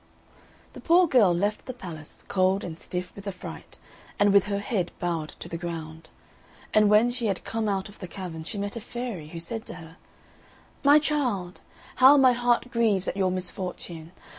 The poor girl left the palace, cold and stiff with affright, and with her head bowed to the ground. And when she had come out of the cavern she met a fairy, who said to her, "My child, how my heart grieves at your misfortune!